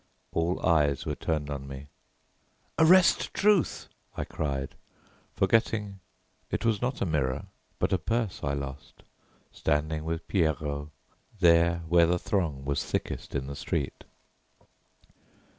All eyes were turned on me. "Arrest Truth!" I cried, forgetting it was not a mirror but a purse I lost, standing with Pierrot, there, where the throng was thickest in the street.